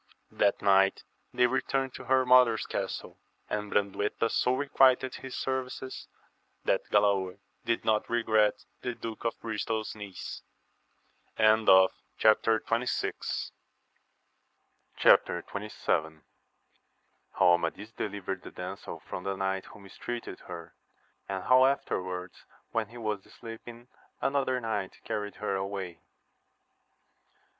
That night they returned to her mother's castle ; and Brandueta so requited his services, that Galaor did not regret the Duke of Bristol's niece. AMADIS OF GAUL. 153 Chap. XXVII. — How Amadis deliyered the damsel from the knight who mistreated her, and how afterwards when he was sleeping another knight carried her away.